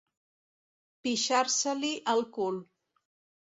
Pixar-se-li al cul.